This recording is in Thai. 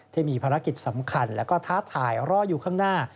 ที่มีภารกิจสำคัญและก็ท้าทายรออยู่ข้างหน้า